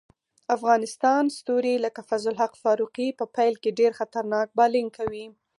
افغان ستوري لکه فضل الحق فاروقي په پیل کې ډېر خطرناک بالینګ کوي.